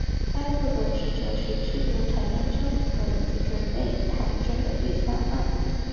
该部的职责是制定财政政策及准备财政预算案。